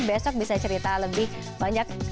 besok bisa cerita lebih banyak